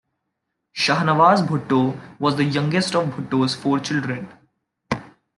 Shahnawaz Bhutto was the youngest of Bhutto's four children.